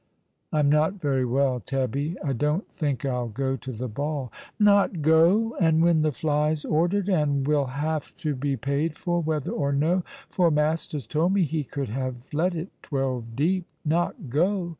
"I'm not very well, Tabbie. I don't think I'll go to the ball." *' Not go ! and when the fly's ordered — and will have to bo paid for whether or no ; for Masters told me he could have let it twelve deep. Not go!